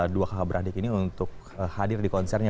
dua kakak beradik ini untuk hadir di konsernya